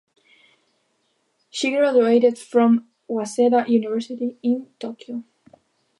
She graduated from Waseda University in Tokyo.